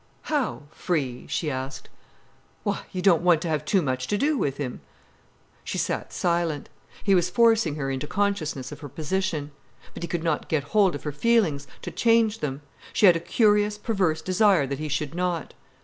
"How, free?" she asked. "Why—you don't want to have too much to do with him." She sat silent. He was forcing her into consciousness of her position. But he could not get hold of her feelings, to change them. She had a curious, perverse desire that he should not.